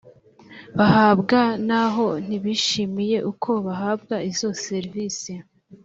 bahabwa naho ntibishimiye uko bahabwa izo serivisi